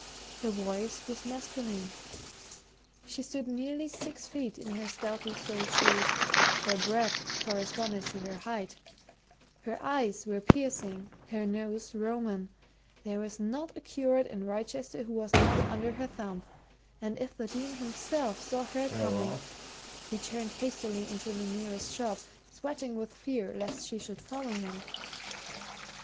Her voice was masculine; she stood nearly six feet in her stoutly soled shoes; her breadth corresponded to her height; her eyes were piercing, her nose Roman; there was not a curate in Wrychester who was not under her thumb, and if the Dean himself saw her coming, he turned hastily into the nearest shop, sweating with fear lest she should follow him.